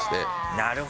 なるほど。